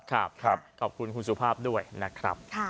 ครับขอบคุณคุณสุภาพด้วยนะครับค่ะ